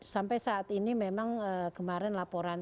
sampai saat ini memang kemarin laporan